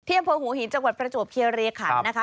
เที่ยงพลหัวหินจังหวัดประจวบเคียเรคันนะคะ